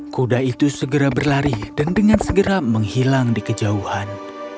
kuda itu segera berlari dan dengan segera menghilang di kejauhan